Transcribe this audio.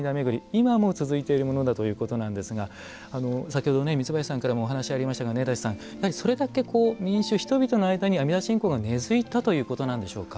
今も続いているものだということなんですが先ほど三林さんからもお話がありましたが、根立さんそれだけ人々の間に阿弥陀信仰が根づいたということなんでしょうか。